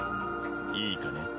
いいかね？